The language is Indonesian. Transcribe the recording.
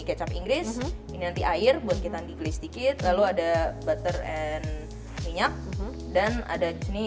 kecap inggris ini nanti air buat kita digeli sedikit lalu ada butter and minyak dan ada chee